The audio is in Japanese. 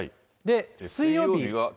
水曜日は。